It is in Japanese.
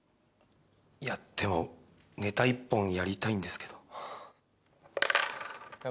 いやでもネタ１本やりたいんですけどいや